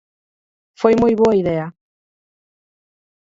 Foi moi boa idea